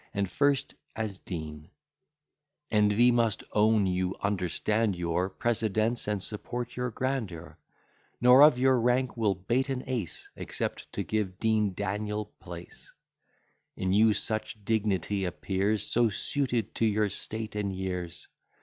And first as Dean: Envy must own, you understand your Precedence, and support your grandeur: Nor of your rank will bate an ace, Except to give Dean Daniel place. In you such dignity appears, So suited to your state and years!